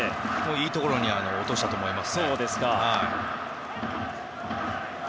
いいところに落としたと思います。